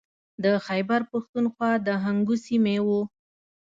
د خیبر پښتونخوا د هنګو سیمې و.